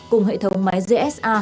cùng hệ thống máy gsa